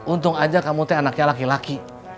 untung aja kamu teh anaknya laki laki